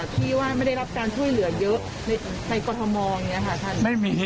ที่ว่าไม่ได้รับการช่วยเหลือเยอะในกรทมอย่างนี้ค่ะท่าน